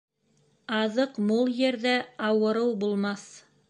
Аҙыҡ мул ерҙә ауырыу булмаҫ.